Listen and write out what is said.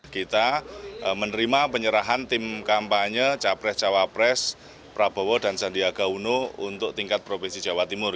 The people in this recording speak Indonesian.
kita menerima penyerahan tim kampanye capres cawapres prabowo dan sandiaga uno untuk tingkat provinsi jawa timur